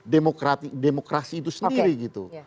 demokrasi itu sendiri gitu